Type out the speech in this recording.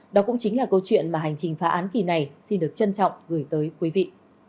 đó cũng chính là câu chuyện mà hành trình phá án kỳ này xin được trân trọng gửi tới quý vị